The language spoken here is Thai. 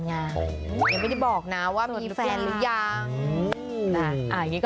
ยังไม่ได้บอกนะว่ามีแฟนหรือยัง